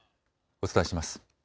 お伝えします。